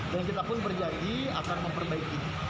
dan kita pun berjagi akan memperbaiki